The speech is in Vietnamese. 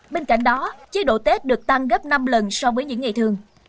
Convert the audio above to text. bên cạnh đó chế độ tết được tăng gấp năm lần so với những ngày thường